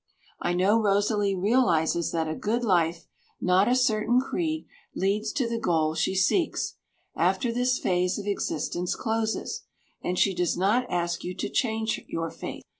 I know Rosalie realizes that a good life, not a certain creed, leads to the goal she seeks, after this phase of existence closes, and she does not ask you to change your faith.